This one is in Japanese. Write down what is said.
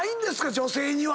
女性には！